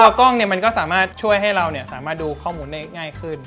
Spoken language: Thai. กล้องเนี่ยมันก็สามารถช่วยให้เราสามารถดูข้อมูลได้ง่ายขึ้น